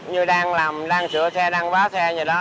như đang làm đang sửa xe đang vá xe như đó